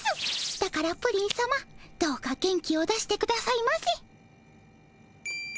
だからプリンさまどうか元気を出してくださいませ。